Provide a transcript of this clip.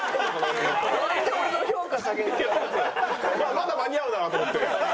まだ間に合うなと思って。